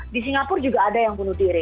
di singapura juga ada yang bunuh diri